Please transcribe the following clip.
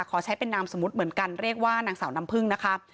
ขอใช้เป็นนามสมมุติเหมือนกันเรียกว่านางสาวน้ำพึ่งนะคะ